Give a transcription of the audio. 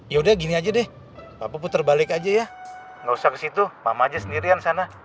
yaudah gini aja deh papa putar balik aja ya nggak usah ke situ mama aja sendirian sana